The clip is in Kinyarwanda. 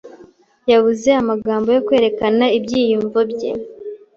Yabuze amagambo yo kwerekana ibyiyumvo bye.